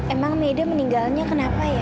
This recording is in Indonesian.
emang meda meninggalnya kenapa ya